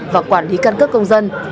và quản lý căn cứ công dân